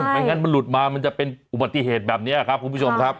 ไม่งั้นมันหลุดมามันจะเป็นอุบัติเหตุแบบนี้ครับคุณผู้ชมครับ